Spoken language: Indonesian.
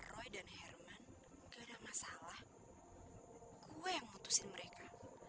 roy dan herman tidak masalah hai gue yang mutusin mereka